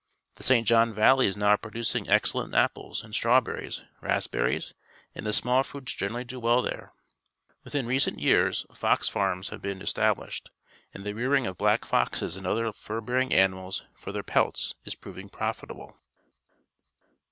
The St. John Val ley is now producin g excellent apples, and straw hei iies, raspberrie s, and the small fruits gen f^^^^^B Hi A Fox Farm, New Brunswick eraUj" do well there. Within recent vear s fox farms have been established, and the rearing of black foxes an d^ othe r fur bearing animals for their pelts is proving profitable.